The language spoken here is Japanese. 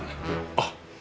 あっ。